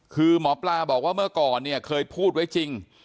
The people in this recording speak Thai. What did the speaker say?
คือหมอปลาบอกว่าเมื่อก่อนเนี่ยเคยพูดไว้จริง